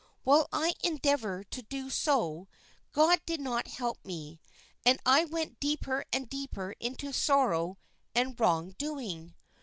While I endeavored to do so, God did not help me, and I went deeper and deeper into sorrow and wrong doing.